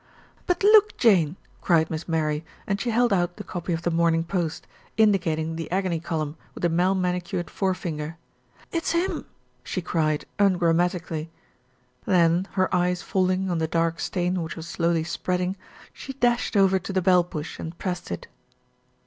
"But look, Jane!" cried Miss Mary, and she held out the copy of The Morning Post, indicating the agony column with a well manicured fore finger. "It's him !" she cried ungrammatically, then, her eyes falling on the SIR JOHN HILDRETH dark stain which was slowly spreading, she dashed over to the bell push and pressed it.